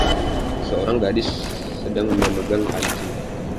Seorang gadis sedang memegang pancing.